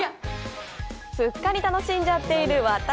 すっかり楽しんじゃっている私。